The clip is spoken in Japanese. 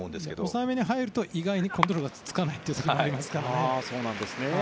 抑えめに入るとコントロールがつかないこともありますから。